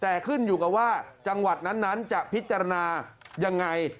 แต่ขึ้นอยู่กับว่าจังหวัดนั้นจะพิจารณายังไง